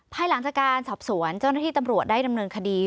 ภายหลังจากการสอบสวนเจ้าหน้าที่ตำรวจได้ดำเนินคดี